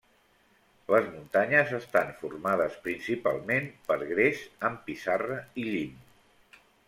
Les muntanyes estan formades, principalment, per gres amb pissarra i llim.